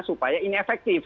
supaya ini efektif